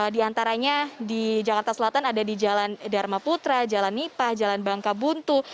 di antaranya di jakarta selatan ada di jalan dharma putra jalan nipah jalan bangka buntu